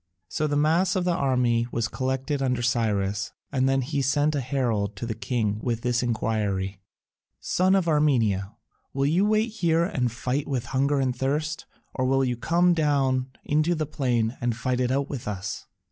So the mass of the army was collected under Cyrus, and then he sent a herald to the king with this enquiry: "Son of Armenia, will you wait here and fight with hunger and thirst, or will you come down into the plain and fight it out with us?"